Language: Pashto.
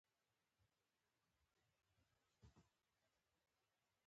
هغه سړی ډېر خفه شو.